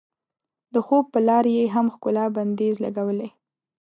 د خوب په لار یې هم ښکلا بندیز لګولی.